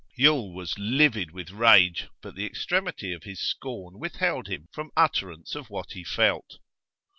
Yule was livid with rage, but the extremity of his scorn withheld him from utterance of what he felt.